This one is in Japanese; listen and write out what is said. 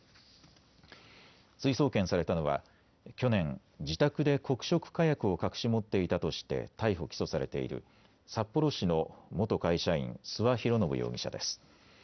追送検されたのは去年、自宅で黒色火薬を隠し持っていたとして逮捕・起訴されている札幌市の元会社員、諏訪博宣容疑者です。